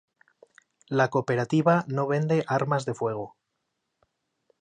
La cooperativa no vende armas de fuego.